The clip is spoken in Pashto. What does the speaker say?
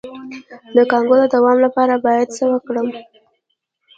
د کانګو د دوام لپاره باید څه وکړم؟